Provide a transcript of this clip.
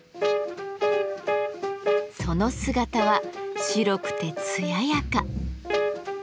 その姿は白くて艶やか。